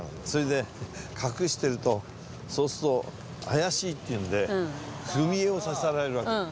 それで隠してるとそうすると怪しいっていうので踏み絵をさせられるわけ。